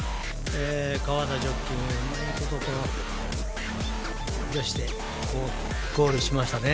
川田ジョッキーもうまいことしてゴールしましたね。